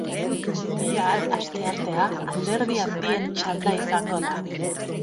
Bihar, asteartea, alderdi handienen txanda izango da.